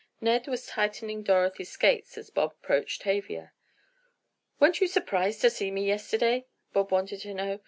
Ned was tightening Dorothy's skates as Bob approached Tavia. "Weren't you surprised to see me yesterday?" Bob wanted to know.